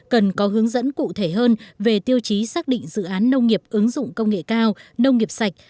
cần có hướng dẫn cụ thể hơn về tiêu chí xác định dự án nông nghiệp ứng dụng công nghệ cao nông nghiệp sạch